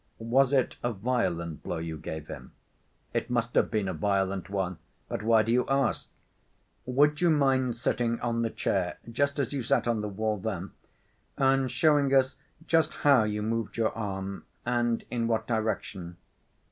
Was it a violent blow you gave him?" "It must have been a violent one. But why do you ask?" "Would you mind sitting on the chair just as you sat on the wall then and showing us just how you moved your arm, and in what direction?"